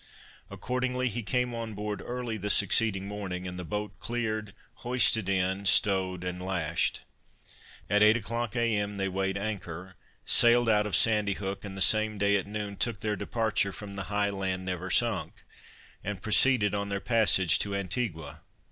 Accordingly he came on board early the succeeding morning, and the boat cleared, hoisted in, stowed and lashed. At eight o'clock, A. M. they weighed anchor, sailed out of Sandy Hook, and the same day at noon, took their departure from the High Land Never Sunk, and proceeded on their passage to Antigua.